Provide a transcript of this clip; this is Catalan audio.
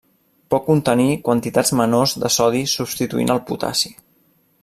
Pot contenir quantitats menors de sodi substituint el potassi.